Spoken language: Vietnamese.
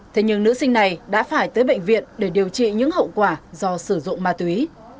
thế nhưng nữ sinh này đã phải tới bệnh viện để điều trị những hậu quả do sử dụng ma túy